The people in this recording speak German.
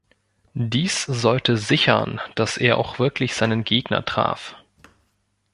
Dies sollte sichern, dass er auch wirklich seinen Gegner traf.